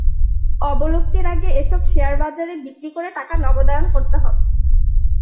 অবলুপ্তির আগে এসব শেয়ার বাজারে বিক্রি করে টাকা নগদায়ন করতে হবে।